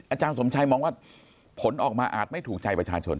อาจารย์สมชัยมองว่าผลออกมาอาจไม่ถูกใจประชาชน